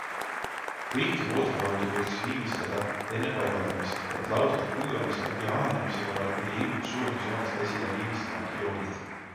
Kõiki voodrilaudu võiks viimistleda enne paigaldamist, et laudade kuivamise ja ahenemise korral ei ilmuks sulundisoonest esile viimistlemata jooni.